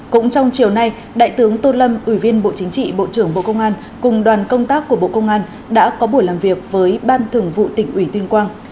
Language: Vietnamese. cũng trong chiều nay đại tướng tô lâm ủy viên bộ chính trị bộ trưởng bộ công an cùng đoàn công tác của bộ công an đã có buổi làm việc với ban thường vụ tỉnh ủy tuyên quang